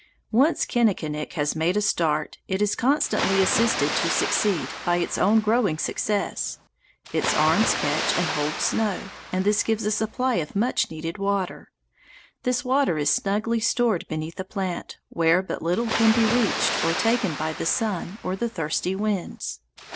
Once Kinnikinick has made a start, it is constantly assisted to succeed by its own growing success. Its arms catch and hold snow, and this gives a supply of much needed water. This water is snugly stored beneath the plant, where but little can be reached or taken by the sun or the thirsty winds.